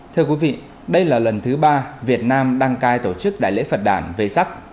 thưa quý vị đây là lần thứ ba việt nam đăng cai tổ chức đại lễ phật đàn về sắc